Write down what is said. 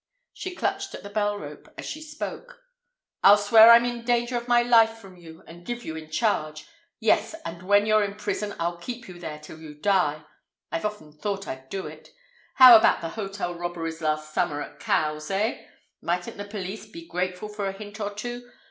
She clutched at the bell rope as she spoke. "I'll swear I'm in danger of my life from you and give you in charge. Yes, and when you're in prison I'll keep you there till you die. I've often thought I'd do it. How about the hotel robberies last summer at Cowes, eh? Mightn't the police be grateful for a hint or two?